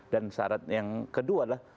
dan syarat yang kedua adalah